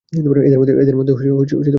এদের মধ্যে কোন কল্যাণ নেই।